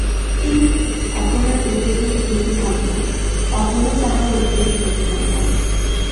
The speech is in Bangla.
তিনি অপরের উদ্বেগের হেতু হন না, অপরেও তাঁহার উদ্বেগের হেতু হন না।